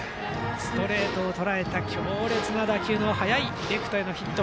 ストレートをとらえた強烈な打球の速い打球のレフトへのヒット。